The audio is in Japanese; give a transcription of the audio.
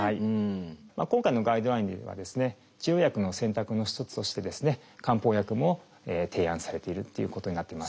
今回のガイドラインではですね治療薬の選択の一つとしてですね漢方薬も提案されているっていうことになってます。